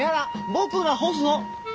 僕が干すの！」。